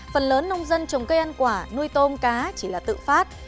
phần lớn nông dân trồng cây ăn quả nuôi tôm cá chỉ là tự phát